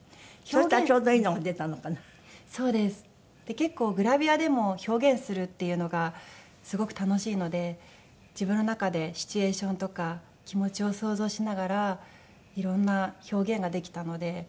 結構グラビアでも表現するっていうのがすごく楽しいので自分の中でシチュエーションとか気持ちを想像しながらいろんな表現ができたので。